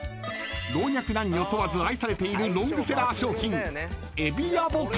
［老若男女問わず愛されているロングセラー商品］